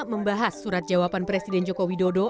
membahas surat jawaban presiden joko widodo